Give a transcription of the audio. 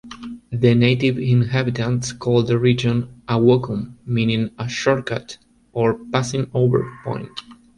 The native inhabitants called the region "Awokum," meaning a 'short-cut' or 'passing-over point.